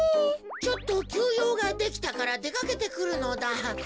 ちょっときゅうようができたからでかけてくるのだ。